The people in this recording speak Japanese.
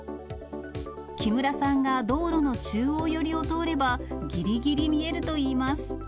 木村さんが道路の中央寄りを通れば、ぎりぎり見えるといいます。